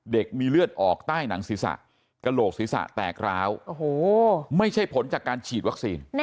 มีเลือดออกใต้หนังศีรษะกระโหลกศีรษะแตกร้าวไม่ใช่ผลจากการฉีดวัคซีน